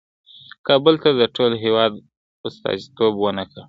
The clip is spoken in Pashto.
کابل تل د ټول هېواد استازیتوب ونه کړ.